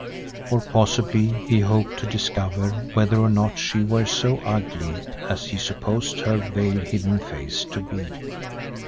Or possibly he hoped to discover whether or not she were so ugly as he supposed her veil hidden face to be.